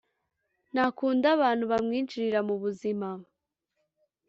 ntakunda abantu bamwinjirira mu buzima